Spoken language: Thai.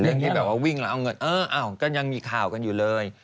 ที่แบบว่าวิ่งแล้วเอาเงินเอออ้าวก็ยังมีข่าวกันอยู่เลย